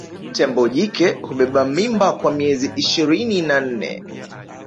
Tembo jike hubeba mimba kwa miezi ishirini na nne